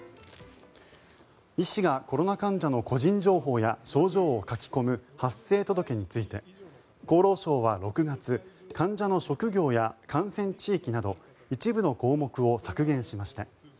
医師がコロナ患者の個人情報や症状を書き込む発生届について厚労省は６月患者の職業や感染地域など一部の項目を削減しました。